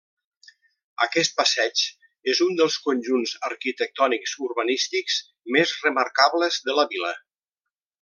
Aquest passeig és un dels conjunts arquitectònics urbanístics més remarcables de la vila.